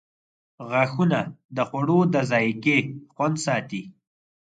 • غاښونه د خوړو د ذایقې خوند ساتي.